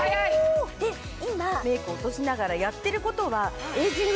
今メイクを落としながらやってることは。